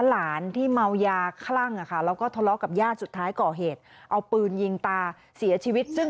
หลานที่เมายาคลั่งอย่างเงิน